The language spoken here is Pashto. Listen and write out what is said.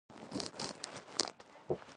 حیوانات ځینې وختونه بې شمېره نسلونه لري.